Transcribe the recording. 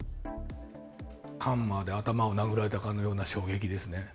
ハンマーで頭を殴られたかのような衝撃ですね。